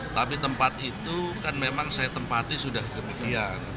tapi tempat itu kan memang saya tempati sudah demikian